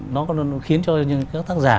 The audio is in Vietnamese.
nó khiến cho các tác giả